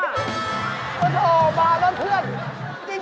ป้าโถมารถเพื่อน